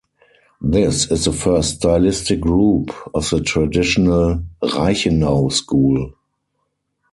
This is the first stylistic group of the traditional "Reichenau school".